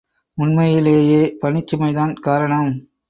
உண்மையிலேயே பணிச்சுமைதான் காரணம்!